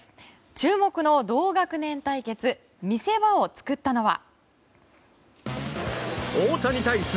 注目の同学年対決見せ場を作ったのは。